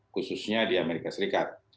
khususnya di amerika serikat